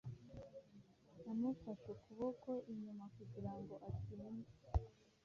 Yamufashe ukuboko inyuma kugira ngo atinde